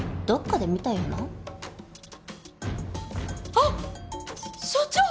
あっ署長！